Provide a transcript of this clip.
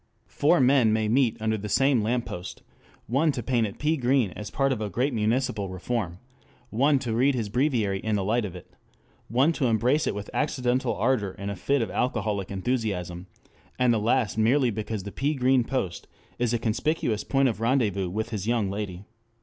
Four men may meet under the same lamp post; one to paint it pea green as part of a great municipal reform; one to read his breviary in the light of it; one to embrace it with accidental ardour in a fit of alcoholic enthusiasm; and the last merely because the pea green post is a conspicuous point of rendezvous with his young lady.